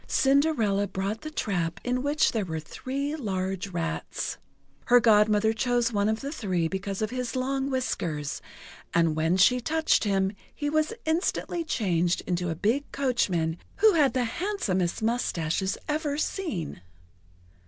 Cinderella brought the trap in which were three large rats. Her Godmother chose one of the three because of his long whiskers; and when she touched him, he was instantly changed into a big coachman who had the handsomest moustaches ever seen.